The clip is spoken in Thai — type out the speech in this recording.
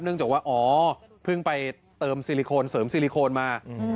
เนื่องจากว่าพึ่งไปเเติมซีลิโคนเสริมซีลิโคนมา